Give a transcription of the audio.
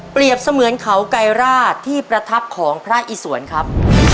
เปรียบเสมือนเขาไกรราชที่ประทับของพระอิสวรรค์ครับ